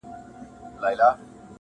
خو پاچا تېر له عالمه له پېغور وو-